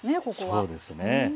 そうですね。